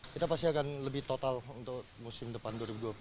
kita pasti akan lebih total untuk musim depan dua ribu dua puluh